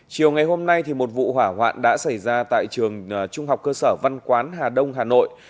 chiều ngày hôm nay một vụ hỏa hoạn đã xảy ra tại trường trung học cơ sở văn quán hà đông hà nội